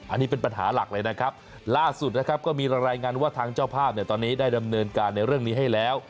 อันนี้เป็นปัญหาหลักเลยนะครับล่าสุดนะครับก็มีรายงานว่าทางเจ้าภาพเนี่ยตอนนี้ได้ดำเนินการในเรื่องนี้ให้แล้ว